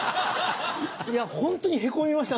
ホントにへこみました